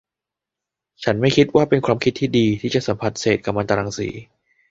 ฉันไม่คิดว่าเป็นความคิดที่ดี ที่จะสัมผัสเศษกัมมันตรังสี